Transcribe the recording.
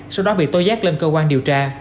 sau đó bị tối giác lên cơ quan điều tra